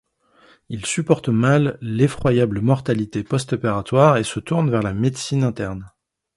Il supporte mal l’effroyable mortalité post-opératoire et se tourne vers la médecine interne.